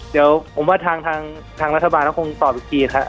เดี๋ยวผมว่าทางรัฐบาลก็คงตอบอีกทีครับ